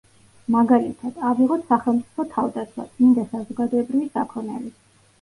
მაგალითად, ავიღოთ სახელმწიფო თავდაცვა, წმინდა საზოგადოებრივი საქონელი.